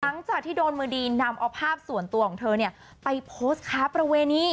หลังจากที่โดนมือดีนำเอาภาพส่วนตัวของเธอเนี่ยไปโพสต์ค้าประเวณี